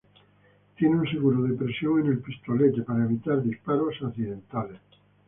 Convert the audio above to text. Tiene un seguro de presión en el pistolete para evitar disparos accidentales.